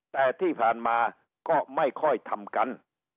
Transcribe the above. แต่ที่ผ่านมาก็ไม่ค่อยทำกัน